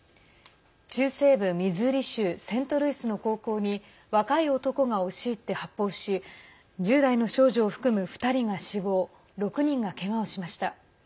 中西部ミズーリ州セントルイスの高校に若い男が押し入って発砲し１０代の少女を含む２人が死亡６人がけがをしました。